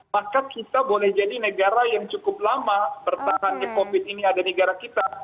maka kita boleh jadi negara yang cukup lama bertahan di covid ini ada di negara kita